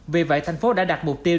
vì vậy thành phố đã đạt mục tiêu